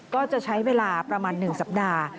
ก็จะใช้เวลาประมาณ๑สัปดาห์